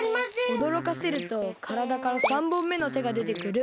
おどろかせるとからだから３ぼんめのてがでてくる。